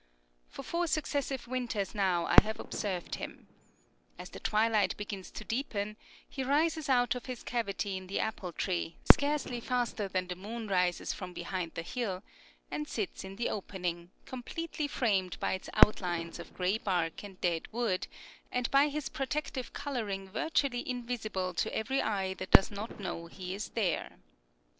For four successive winters now have I observed him. As the twilight begins to deepen, he rises up out of his cavity in the apple tree, scarcely faster than the moon rises from behind the hill, and sits in the opening, completely framed by its outlines of gray bark and dead wood, and by his protective coloring virtually invisible to every eye that does not know he is there.